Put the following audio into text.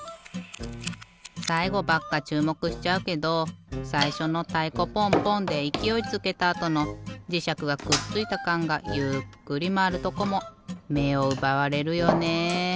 さいごばっかちゅうもくしちゃうけどさいしょのたいこポンポンでいきおいつけたあとのじしゃくがくっついたカンがゆっくりまわるとこもめをうばわれるよね。